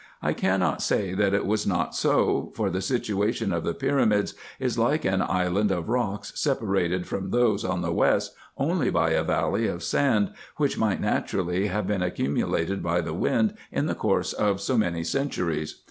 I cannot say that it was not so, for the situation of the pyramids is like an island of rocks, separated from those on the west only by a valley of sand, which might naturally have been accumulated by the wind in the course of so many centuries.